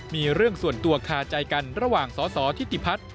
มีเรื่องส่วนตัวคาใจกันระหว่างสสทิติพัฒน์